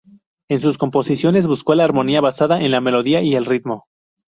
En sus composiciones buscó la armonía, basada en la melodía y el ritmo.